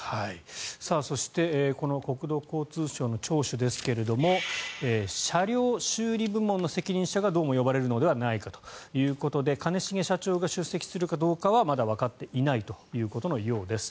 そして国土交通省の聴取ですが車両修理部門の責任者がどうも呼ばれるのではないかということで兼重社長が出席するかどうかはまだわかっていないということのようです。